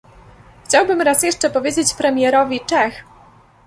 Chciałbym raz jeszcze powiedzieć premierowi Czech